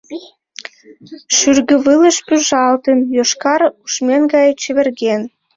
Шӱргывылыш пӱжалтын, йошкар ушмен гае чеверген.